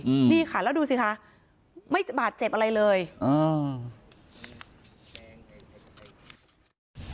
อืมนี่ค่ะแล้วดูสิคะไม่บาดเจ็บอะไรเลยอืม